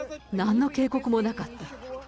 なんの警告もなかった。